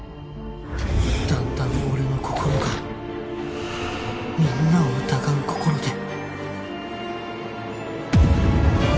だんだん俺の心がみんなを疑う心で